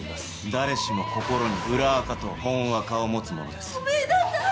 誰しも心に本アカと裏アカを持つものですごめんなさい